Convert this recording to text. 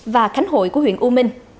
và khánh hội của huyện u minh